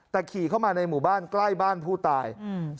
แต่ขี่เข้ามาในหมู่บ้านใกล้บ้านผู้ตาย